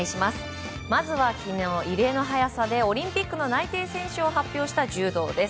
まずは昨日、異例の早さでオリンピックの内定選手を発表した柔道です。